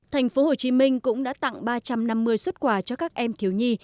thành phố hồ chí minh cũng đã tặng ba trăm năm mươi xuất quà cho các em thiếu nhi